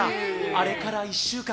あれから１週間。